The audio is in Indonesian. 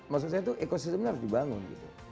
maksud saya itu ekosistemnya harus dibangun gitu